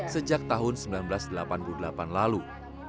sejak tahun seribu sembilan ratus delapan puluh delapan lalu